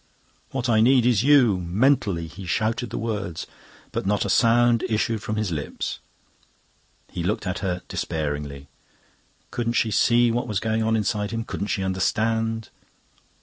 "What I need is you." Mentally he shouted the words, but not a sound issued from his lips. He looked at her despairingly. Couldn't she see what was going on inside him? Couldn't she understand?